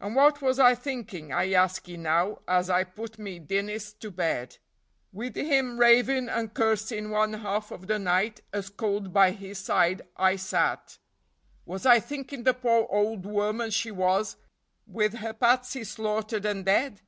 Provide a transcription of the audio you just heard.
And what was I thinkin', I ask ye now, as I put me Dinnis to bed, Wid him ravin' and cursin' one half of the night, as cold by his side I sat; Was I thinkin' the poor ould woman she was wid her Patsy slaughtered and dead?